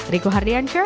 riku hardiancer sidoarjo